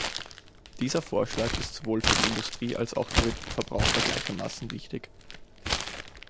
Dieser Vorschlag ist sowohl für die Industrie als auch für Verbraucher gleichermaßen wichtig.